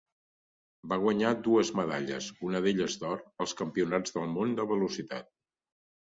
Va guanyar dues medalles, una d'elles d'or, als Campionats del món de velocitat.